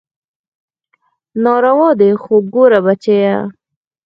ناروا دي خو ګوره بچى.